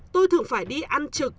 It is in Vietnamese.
tôi thường phải đi ăn trực